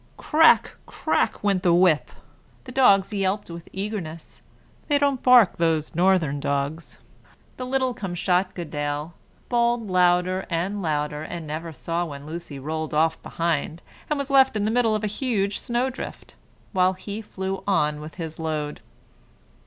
Crack, crack, went the whip; the dogs yelped with eagerness, they don't bark, those Northern dogs; the little Kamschatkadale bawled louder and louder, and never saw when Lucy rolled off behind, and was left in the middle of a huge snowdrift, while he flew on with his load.